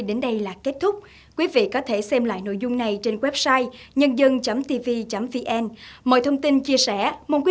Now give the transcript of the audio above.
hẹn gặp lại quý vị trong chương trình này vào thứ bảy tuần sau